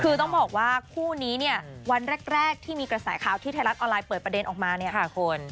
คือต้องบอกว่าคู่นี้เนี่ยวันแรกที่มีกระแสข่าวที่ไทยรัฐออนไลน์เปิดประเด็นออกมาเนี่ยค่ะคุณ